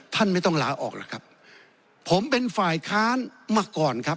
ท่านไม่ต้องลาออกผมเป็นฝ่ายคารมาก่อน